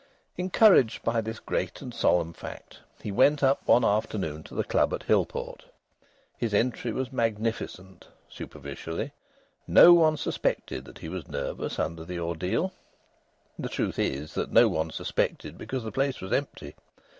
Encouraged by this great and solemn fact, he went up one afternoon to the club at Hillport. His entry was magnificent, superficially. No one suspected that he was nervous under the ordeal. The truth is that no one suspected because the place was empty.